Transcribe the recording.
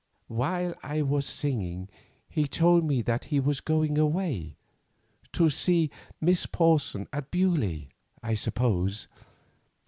"While I was singing he told me that he was going away—to see Miss Porson at Beaulieu, I suppose.